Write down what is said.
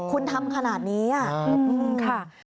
คุณทำขนาดนี้อ่ะค่ะ